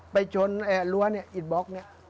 ไปชนรั้วนิดบล็อกนี้